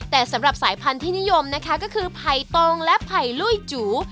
แต่สำหรับสายพันธุ์ที่นิยมนะคะก็คือไผ่ตรงและไผ่ลุ้ยจู